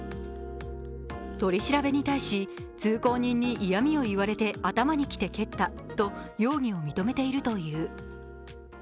取り調べに対し、通行人に嫌みを言われて頭にきて蹴ったと容疑を認めているという。